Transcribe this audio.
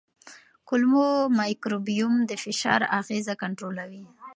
کولمو مایکروبیوم د فشار اغېزه کنټرولوي.